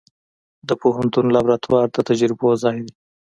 د پوهنتون لابراتوار د تجربو ځای دی.